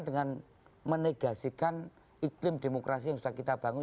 dengan menegasikan iklim demokrasi yang sudah kita bangun